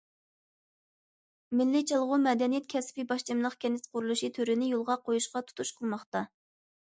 مىللىي چالغۇ مەدەنىيەت كەسپى باش تېمىلىق كەنت قۇرۇلۇشى تۈرىنى يولغا قويۇشقا تۇتۇش قىلماقتا.